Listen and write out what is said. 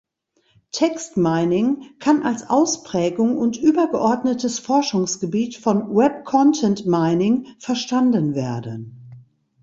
Text Mining kann als Ausprägung und übergeordnetes Forschungsgebiet von Web-Content-Mining verstanden werden.